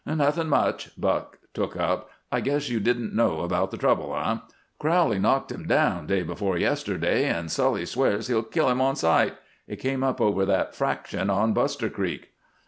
"Nothing much," Buck took up. "I guess you didn't know about the trouble, eh? Crowley knocked him down day before yesterday and Sully swears he'll kill him on sight. It came up over that fraction on Buster Creek."